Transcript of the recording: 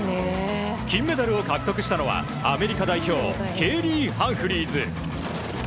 金メダルを獲得したのはアメリカ代表ケーリー・ハンフリーズ。